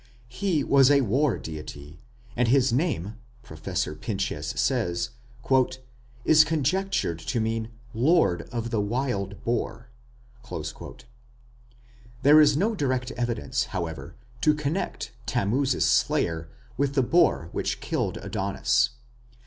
He was a war deity, and his name, Professor Pinches says, "is conjectured to mean 'lord of the wild boar'". There is no direct evidence, however, to connect Tammuz's slayer with the boar which killed Adonis.